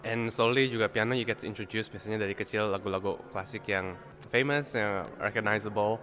dan kemudian pelan pelan juga piano bisa diperkenalkan biasanya dari kecil lagu lagu klasik yang terkenal terkenal